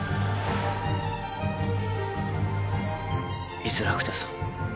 居づらくてさ。